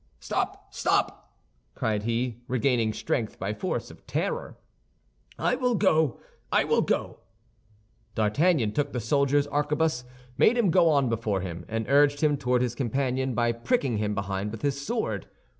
"Stop, stop!" cried he, regaining strength by force of terror. "I will go—I will go!" D'Artagnan took the soldier's arquebus, made him go on before him, and urged him toward his companion by pricking him behind with his sword.